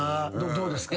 どうですか？